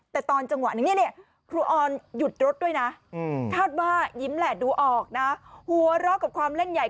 แต่ตอนจังหวะนึงครูออนหยุดรถด้วยนะ